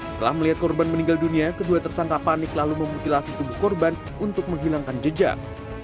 setelah melihat korban meninggal dunia kedua tersangka panik lalu memutilasi tubuh korban untuk menghilangkan jejak